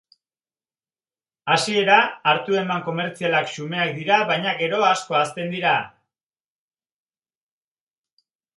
Hasiera, hartu-eman komertzialak xumeak dira baina, gero, asko hazten dira.